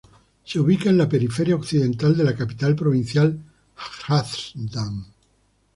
Se ubica en la periferia occidental de la capital provincial Hrazdan.